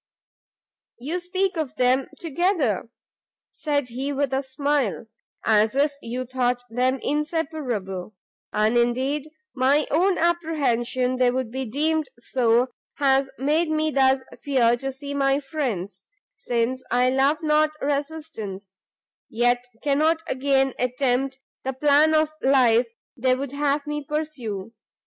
"You speak of them together," said he, with a smile, "as if you thought them inseparable; and indeed my own apprehension they would be deemed so, has made me thus fear to see my friends, since I love not resistance, yet cannot again attempt the plan of life they would have me pursue.